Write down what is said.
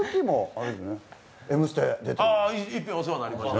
一度お世話になりました。